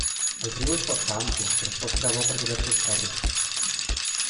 El riu és força ample, però es pot creuar per diversos ferris.